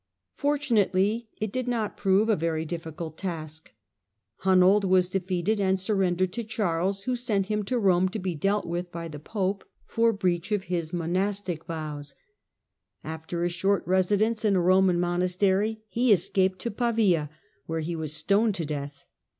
Fortunately it did not prove a very difficult task. Hunold was defeated and surrendered to Charles, who sent him to Rome to be dealt with by the Pope for :harles the great and Lombard kingdom 147 )reach of his monastic vows. After a short residence n a Roman monastery, he escaped to Pavia, where he was stoned to death.